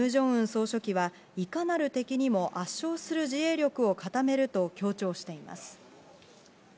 総書記はいかなる敵にも圧勝する自衛力を固めると強調しています。